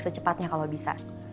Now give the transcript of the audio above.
secepatnya kalau bisa